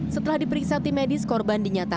setelah diperiksa tim medis korban dinyatakan